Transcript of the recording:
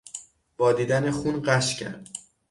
با دیدن خون غش کرد.